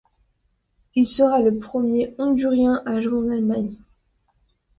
Il sera le premier Hondurien à jouer en Allemagne.